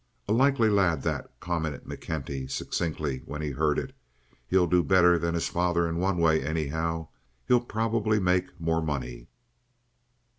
"A likely lad, that," commented McKenty, succintly, when he heard it. "He'll do better than his father in one way, anyhow. He'll probably make more money."